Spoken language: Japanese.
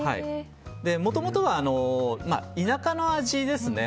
もともとは田舎の味ですね。